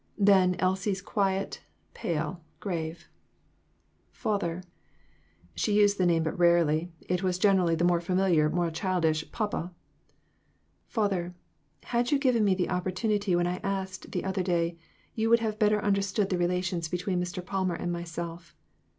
Then Elsie, quiet, pale, grave "Father" she used the name but rarely; it was generally the more familiar, more childish "papa" " Father, had you given me the oppor tunity when I asked, the other day, you would have better understood the relations between Mr. Palmer and myself.